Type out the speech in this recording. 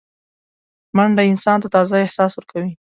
منډه انسان ته تازه احساس ورکوي